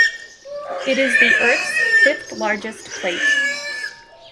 It is the Earth's fifth largest plate.